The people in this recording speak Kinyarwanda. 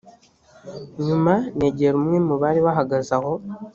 nyuma negera umwe mu bari bahagaze aho